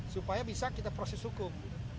supaya bisa kita proses hukum